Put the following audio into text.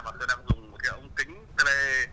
và tôi đang dùng một cái ống kính